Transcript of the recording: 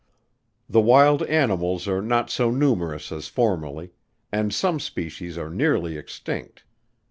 The wild animals are not so numerous as formerly, and some species are nearly extinct.